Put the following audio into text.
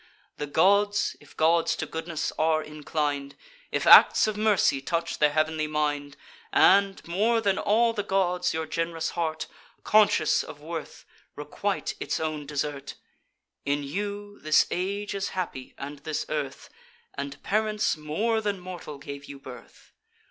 The gods, if gods to goodness are inclin'd; If acts of mercy touch their heav'nly mind, And, more than all the gods, your gen'rous heart. Conscious of worth, requite its own desert! In you this age is happy, and this earth, And parents more than mortal gave you birth.